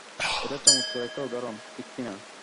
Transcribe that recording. এটা চমৎকার একটা উদাহরণ, ঠিক কিনা?